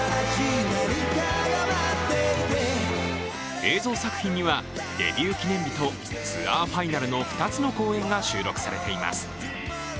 映像作品にはデビュー記念日とツアーファイナル２つの公演が収録されています。